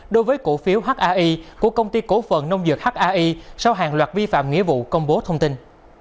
đối với cổ phiếu hae của công ty cổ phần nông dược hae sau hàng loạt vi phạm nghĩa vụ công bố thông tin